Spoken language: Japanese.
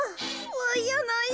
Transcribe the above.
わいやない